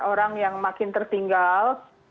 orang yang makin tertinggal